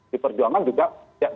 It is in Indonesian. di perjuangan juga ya